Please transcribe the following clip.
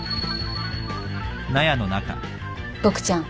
ボクちゃん。